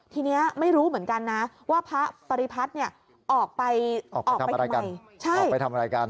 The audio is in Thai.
ทีนี้ไม่รู้เหมือนกันนะว่าพระปริพัฒน์ออกไปทำอะไรกัน